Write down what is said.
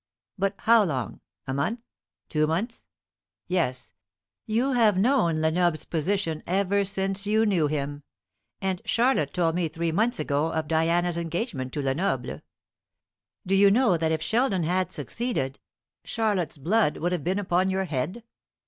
"But how long? A month two months? Yes; you have known Lenoble's position ever since you knew him; and Charlotte told me three months ago of Diana's engagement to Lenoble. Do you know that if Sheldon had succeeded, Charlotte's blood would have been upon your head?